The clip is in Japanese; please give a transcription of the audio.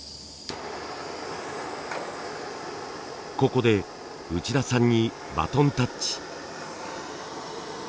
ここで内田さんにバトンタッチ。